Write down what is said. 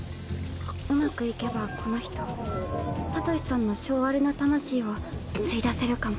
うまくいけばこの人サトシさんの性悪な魂を吸い出せるかも。